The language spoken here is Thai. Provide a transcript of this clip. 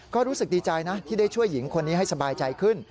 ก็รู้สึกดีใจนะที่ได้ช่วยหญิงคนนี้ให้สบายใจขึ้น